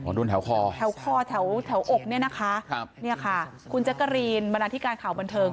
โดนแถวคอแถวคอแถวแถวอกเนี่ยนะคะครับเนี่ยค่ะคุณแจ๊กกะรีนบรรณาธิการข่าวบันเทิง